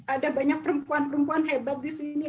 ada banyak perempuan perempuan hebat di sini